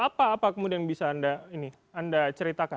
apa apa kemudian bisa anda ceritakan